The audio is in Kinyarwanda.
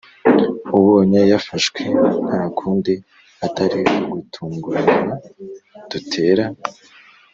ubonye yafashwe ntakundi atari ugutungurana dutera".